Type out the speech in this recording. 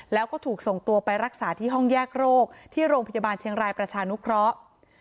แล้วก็ถูกส่งตัวไปรักษาที่ห้องแยกโรคที่โรงพยาบาลเชียงรายประชานุเคราะห์